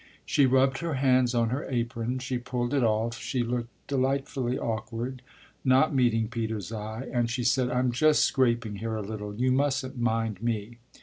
She rubbed her hands on her apron, she pulled it off, she looked delightfully awkward, not meeting Peter's eye, and she said: "I'm just scraping here a little you mustn't mind me.